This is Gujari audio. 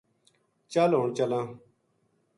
چل ہن چلاں‘‘